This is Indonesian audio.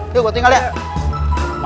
ya udah deh